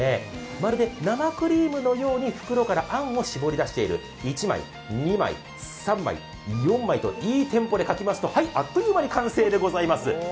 まるで生クリームのように袋から花びらを出している、１枚、２枚、３枚、４枚といいテンポで描きますとあっという間に出来上がりでございます。